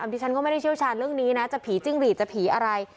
ดิฉันก็ไม่ได้เชี่ยวชาญเรื่องนี้นะจะผีจิ้งหรีดจะผีอะไร